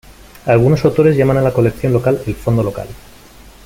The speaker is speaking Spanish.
Algunos autores llaman a la colección local el "fondo local".